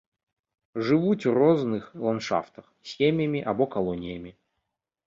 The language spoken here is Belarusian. Жывуць у розных ландшафтах, сем'ямі або калоніямі.